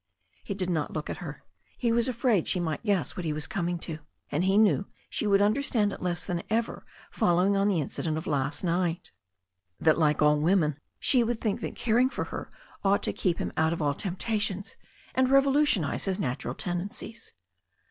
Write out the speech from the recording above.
He did not look at her. He was afraid she might g^ess what he was coming to. And he knew she would under stand it less than ever following on the incident of last night; that, like all women, she would think that caring for her ought to keep him out of all temptations, and revo lutionize his natural tendencies.